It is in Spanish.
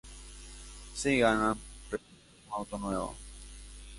Si ganan, reciben un auto nuevo.